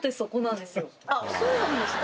あぁそうなんですか？